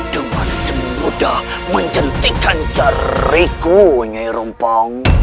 dengan semudah mencintikan cariku nyai rompang